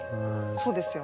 そうですよね。